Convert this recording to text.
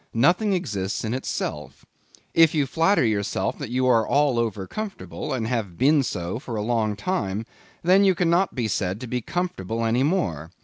Nothing exists in itself. If you flatter yourself that you are all over comfortable, and have been so a long time, then you cannot be said to be comfortable any more.